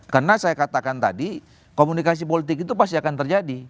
karena saya katakan tadi komunikasi politik itu pasti akan terjadi